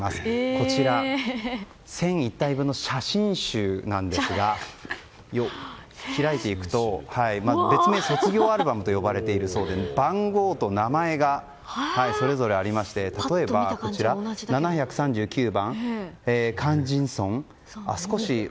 こちら１００１体分の写真集なんですが別名、卒業アルバムと呼ばれているそうで番号と名前がそれぞれありまして例えば、７３９番観心尊。